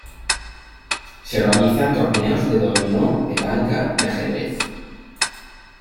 Se organizan torneos de dominó, petanca y ajedrez.